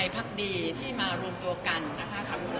พักดีที่มารวมตัวกันนะคะ